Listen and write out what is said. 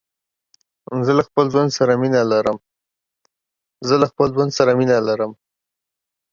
زه له خپل ژوند سره مينه لرم.